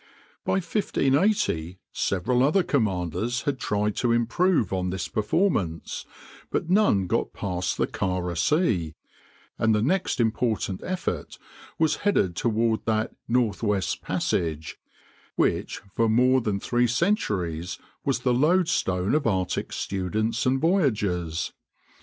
By 1580 several other commanders had tried to improve on this performance, but none got past the Kara Sea, and the next important effort was headed toward that "Northwest Passage," which for more than three centuries was the lodestone of Arctic students and voyagers.